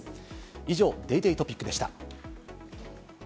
以上、ＤａｙＤａｙ．トピックでした。